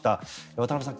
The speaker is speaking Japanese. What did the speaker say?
渡辺さん